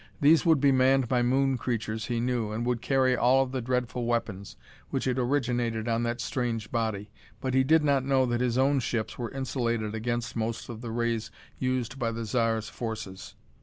These would be manned by Moon creatures, he knew, and would carry all of the dreadful weapons which had originated on that strange body. But he did not know that his own ships were insulated against most of the rays used by the Zar's forces.